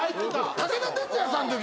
武田鉄矢さんのとき。